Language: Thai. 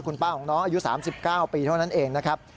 คุณป้าของน้องอายุ๓๙ปีเท่านั้นเองนะครับ